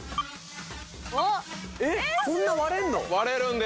・えっこんな割れんの？